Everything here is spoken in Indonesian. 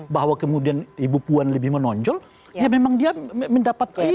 bahwa kemudian ibu puan lebih menonjol ya memang dia mendapat klaim